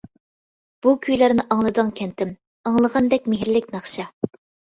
بۇ كۈيلەرنى ئاڭلىدىڭ كەنتىم، ئاڭلىغاندەك مېھىرلىك ناخشا.